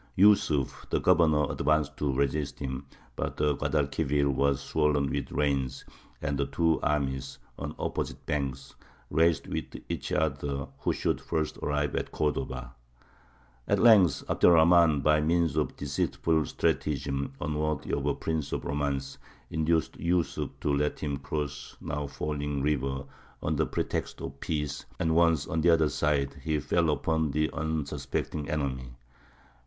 Yūsuf, the governor, advanced to resist him, but the Guadalquivir was swollen with rains, and the two armies, on opposite banks, raced with each other who should first arrive at Cordova. At length Abd er Rahmān, by means of a deceitful stratagem, unworthy of a prince of romance, induced Yūsuf to let him cross the now falling river under pretext of peace; and once on the other side, he fell upon the unsuspecting enemy.